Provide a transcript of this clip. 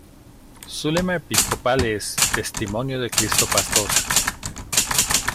Su lema Episcopal es "Testimonio de Cristo Pastor".